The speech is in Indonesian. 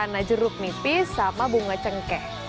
warna jeruk nipis sama bunga cengkeh